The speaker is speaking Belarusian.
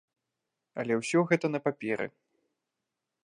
Але ўсё гэта на паперы.